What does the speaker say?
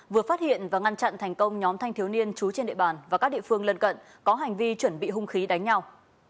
vừa phát hiện và ngăn chặn thành công nhóm thanh thiếu niên trú trên địa bàn và các địa phương lân cận có hành vi chuẩn bị hung khí đánh nhau